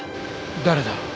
誰だ？